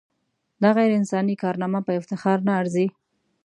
دا غیر انساني کارنامه په افتخار نه ارزي.